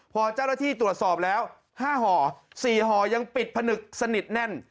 พอเจ้าหน้าที่ตรวจสอบแล้ว๕ห่อ๔ห่อยังปิดผนึกสนิทแน่น